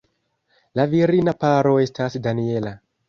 La virina paro estas Daniela.